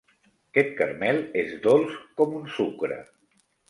Aquest caramel és dolç com un sucre.